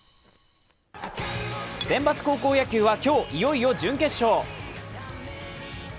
選抜高校野球は今日、いよいよ準決勝。